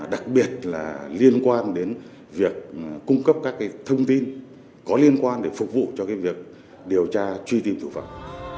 đặc biệt là liên quan đến việc cung cấp các cái thông tin có liên quan để phục vụ cho cái việc điều tra truy tìm chủ phẩm